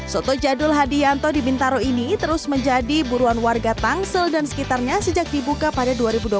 soto jadul hadianto di bintaro ini terus menjadi buruan warga tangsel dan sekitarnya sejak dibuka pada dua ribu dua belas